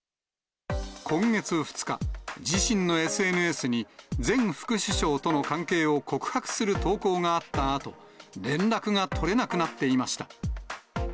今月２日、自身のＳＮＳに前副首相との関係を告白する投稿があったあと、連絡が取れなくなっていました。